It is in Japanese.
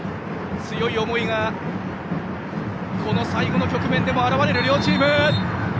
強い思いがこの最後の局面でも現れる両チーム。